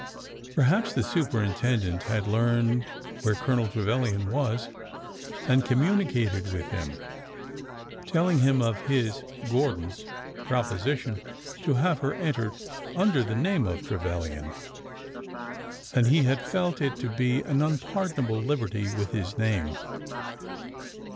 Perhaps the superintendent had learned where Colonel Trevilian was and communicated with him, telling him of his (Gordon's) proposition to have her entered under the name of Trevilian, and he had felt it to be an unpardonable liberty with his name.